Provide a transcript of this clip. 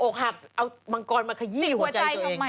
หักเอามังกรมาขยี้หัวใจตัวเอง